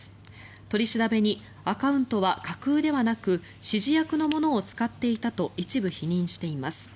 取り調べにアカウントは架空ではなく指示役のものを使っていたと一部否認しています。